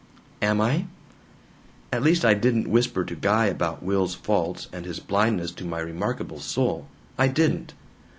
"Am I? "At least I didn't whisper to Guy about Will's faults and his blindness to my remarkable soul. I didn't!